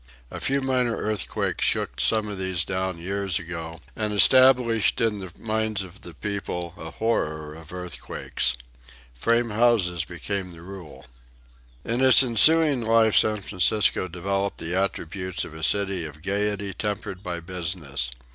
A few minor earthquakes shook some of these down years ago and established in the minds of the people a horror of earthquakes. Frame houses became the rule. In its ensuing life San Francisco developed the attributes of a city of gayety tempered by business.